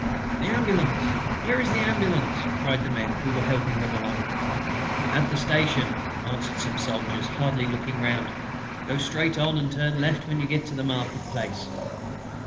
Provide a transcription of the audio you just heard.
"The ambulance! Where is the ambulance?" cried the men who were helping them along. "At the station," answered some soldiers, hardly looking round; "go straight on, and turn to the left when you get to the market place."